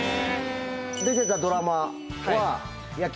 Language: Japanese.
出てたドラマは。